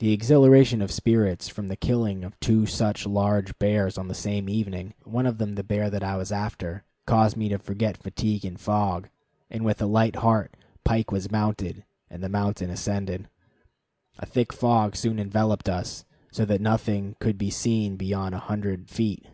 The exhilaration of spirits from the killing of two such large bears on the same evening one of them the bear that I was after caused me to forget fatigue and fog, and with a light heart Pike was mounted and the mountain ascended. A thick fog soon enveloped us, so that nothing could be seen beyond a hundred feet.